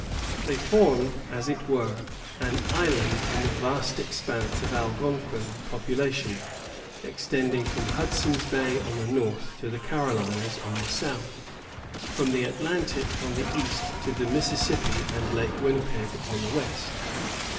They formed, as it were, an island in the vast expanse of Algonquin population, extending from Hudson's Bay on the north to the Carolinas on the south; from the Atlantic on the east to the Mississippi and Lake Winnipeg on the west.